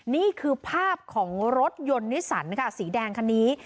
นี่คือภาพของรถยนต์นิสันค่ะสีแดงคันนี้